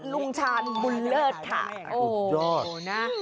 ลุงชาญบุญเลิศค่ะ